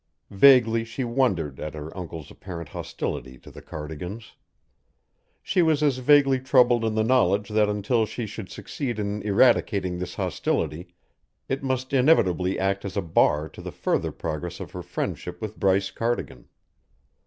Vaguely she wondered at her uncle's apparent hostility to the Cardigans; she was as vaguely troubled in the knowledge that until she should succeed in eradicating this hostility, it must inevitably act as a bar to the further progress of her friendship with Bryce Cardigan.